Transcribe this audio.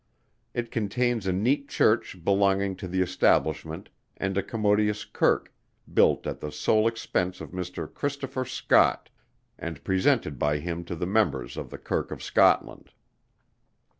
It contains a neat Church belonging to the establishment, and a commodious Kirk, built at the sole expense of Mr. CHRISTOPHER SCOTT, and presented by him to the members of the Kirk of Scotland.